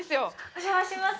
お邪魔します。